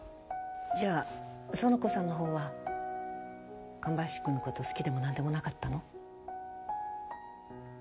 じゃあ苑子さんのほうは神林君の事好きでも何でもなかったの？